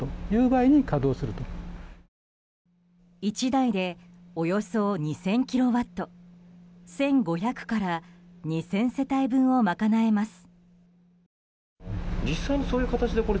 １台でおよそ２０００キロワット１５００から２０００世帯分を賄えます。